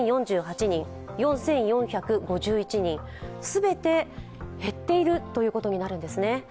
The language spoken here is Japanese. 全て減っているということになるんですね。